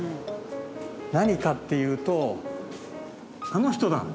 何かっていうとあの人だ。